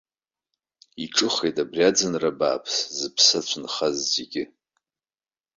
Иҿыхеит абра аӡынра бааԥсы зыԥсы ацәынхаз зегьы.